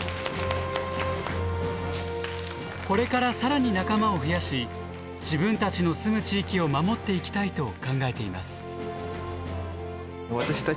これから更に仲間を増やし自分たちの住む地域を守っていきたいと考えています。